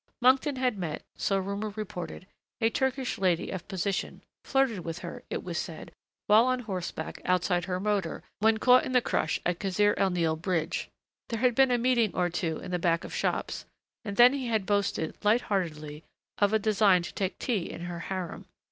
Monkton had met so rumor reported a Turkish lady of position, flirted with her, it was said, while on horseback outside her motor when caught in the crush at Kasr el Nil bridge. There had been a meeting or two in the back of shops, and then he had boasted, lightheartedly, of a design to take tea in her harem.